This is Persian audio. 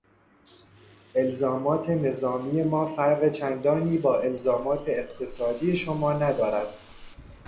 الزامات نظامی ما فرق چندانی با الزامات اقتصادی شما ندارد.